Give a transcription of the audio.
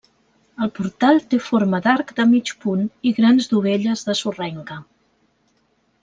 El portal té forma d'arc de mig punt i grans dovelles de sorrenca.